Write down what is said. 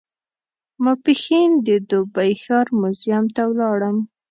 ماپښین د دوبۍ ښار موزیم ته ولاړم.